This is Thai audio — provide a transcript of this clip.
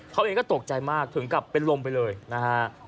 เขาเองก็ตกใจมากถึงกับเป็นลมไปเลยนะฮะ